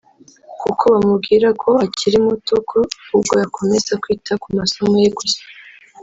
kuko bamubwiraga ko akiri muto ko ahubwo yakomeza kwita ku masomo ye gusa